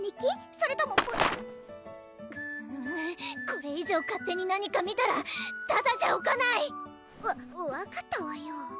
それともポエこれ以上勝手に何か見たらただじゃおかない！わ分かったわよ！